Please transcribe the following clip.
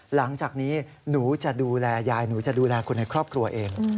หลังจากนี้หนูจะดูแลยายหนูจะดูแลคนในครอบครัวเอง